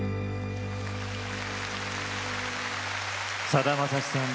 さだまさしさん